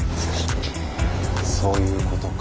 そういうことか。